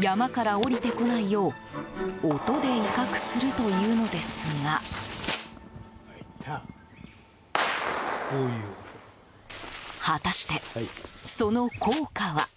山から下りてこないよう音で威嚇するというのですが果たして、その効果は？